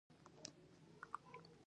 اقلیم د افغانستان د سیلګرۍ برخه ده.